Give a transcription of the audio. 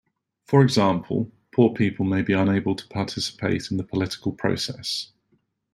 For example, poor people may be unable to participate in the political process.